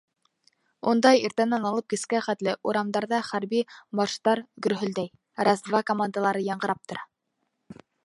Унда иртәнән алып кискә хәтле урамдарҙа хәрби марштар гөрһөлдәй, раз-два командалары яңғырап тора.